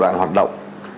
đoạn hoạt động